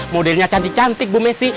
modelnya cantik cantik bu messi